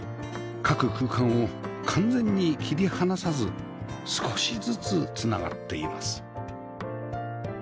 各空間を完全に切り離さず少しずつ繋がっています